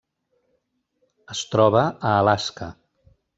Es troba a Alaska.